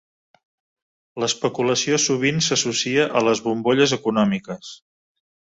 L'especulació sovint s'associa a les bombolles econòmiques.